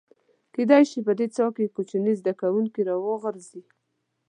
کېدای شي په دې څاه کې کوچني زده کوونکي راوغورځي.